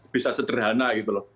bisa sederhana gitu loh